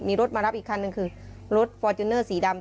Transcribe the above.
มีรถมารับอีกคันหนึ่งคือรถฟอร์จูเนอร์สีดำ